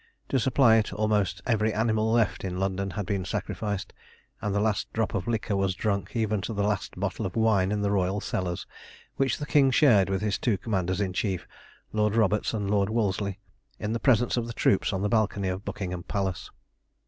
To supply it almost every animal left in London had been sacrificed, and the last drop of liquor was drunk, even to the last bottle of wine in the Royal cellars, which the King shared with his two commanders in chief, Lord Roberts and Lord Wolseley, in the presence of the troops on the balcony of Buckingham Palace.